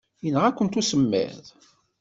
Yenɣa-kent usemmiḍ.